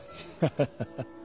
ハハハ。